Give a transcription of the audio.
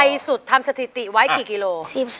สุดทำสถิติไว้กี่กิโล